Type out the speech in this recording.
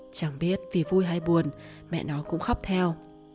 chẳng biết vì vui hay buồn mẹ nó cũng khóp theo